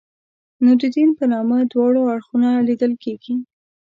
نو د دین په نامه دواړه اړخونه لیدل کېږي.